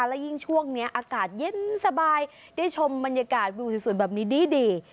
และยิ่งช่วงนี้อากาศเย็นสบายได้ชมบรรยากาศวิวสวยแบบนี้ดี